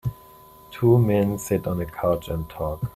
Two men sit on a couch and talk